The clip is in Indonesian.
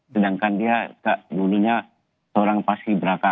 sedangkan dia dulunya seorang pasir braka